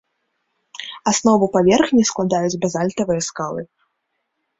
Аснову паверхні складаюць базальтавыя скалы.